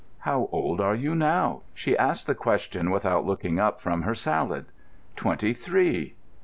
"How old are you now?" She asked the question without looking up from her salad. "Twenty three."